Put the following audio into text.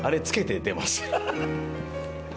あれつけて出ます。